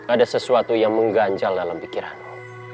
ada sesuatu yang mengganjal dalam pikiranmu